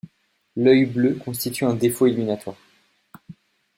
L’œil bleu constitue un défaut éliminatoire.